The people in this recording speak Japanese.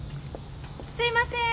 ・すいませーん。